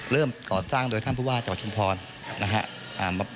เริ่มก่อสร้างโดยท่านพระว่าจากชุมภรณ์นะครับ